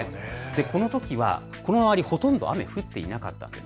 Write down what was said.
このときはこの周り、ほとんど雨が降っていなかったんです。